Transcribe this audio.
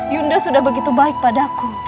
yunda sudah begitu baik padaku